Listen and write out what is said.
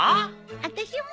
あたしも！